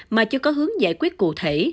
mà chưa có hướng giải quyết cụ thể